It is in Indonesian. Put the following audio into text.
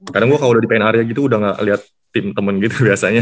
kadang gue kalau udah di pin area gitu udah gak liat tim temen gitu biasanya